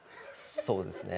そうですね。